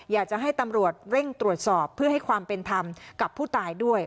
อยากจะให้ตำรวจเร่งตรวจสอบเพื่อให้ความเป็นธรรมกับผู้ตายด้วย